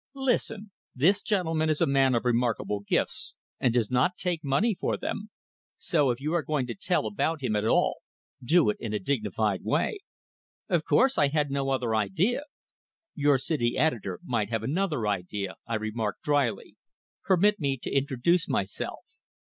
"Listen. This gentleman is a man of remarkable gifts, and does not take money for them; so, if you are going to tell about him at all, do it in a dignified way." "Of course! I had no other idea " "Your city editor might have another idea," I remarked, drily. "Permit me to introduce myself."